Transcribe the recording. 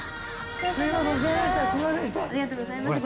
ありがとうございます。